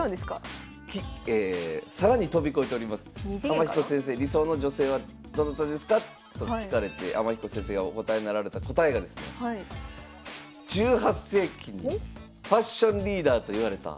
天彦先生理想の女性はどなたですか？と聞かれて天彦先生がお答えなられた答えがですね１８世紀にファッションリーダーといわれたポンパドゥール夫人だって。